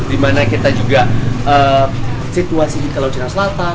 dimana kita juga situasi di laut cina selatan